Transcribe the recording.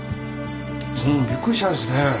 うんびっくりしたですね。